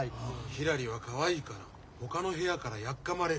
ひらりはかわいいからほかの部屋からやっかまれる。